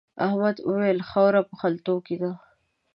احمد وويل: خاوره په خلتو کې ده.